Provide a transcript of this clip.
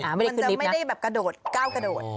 มันจะไม่ได้แบบกระโดดก้าวกระโดด